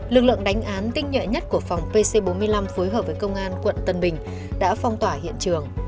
lực lượng đánh án tinh nhuệ nhất của phòng pc bốn mươi năm phối hợp với công an quận tân bình đã phong tỏa hiện trường